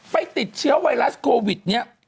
ไปติดเชื้อไวรัสโควิด